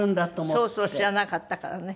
そうそう知らなかったからね。